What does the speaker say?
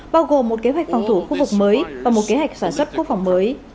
bao gồm một kế hoạch phòng thủ khu vực mới và một kế hoạch sản xuất quốc phòng mới